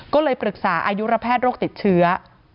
ก็เลยปรึกษาอายุระแพทย์โรคติดเชื้อ